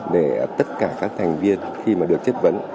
để tất cả các thành viên khi mà được chất vấn